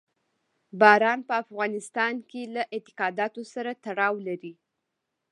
باران په افغانستان کې له اعتقاداتو سره تړاو لري.